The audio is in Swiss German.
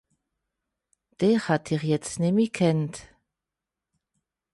Dìch hätt ìch jetzt nemmi gekannt.